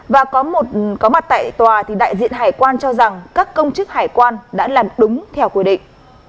và có một có mặt tại tòa thì đại diện hải quan cho rằng các công chức hải quan đã làm đúng theo quy định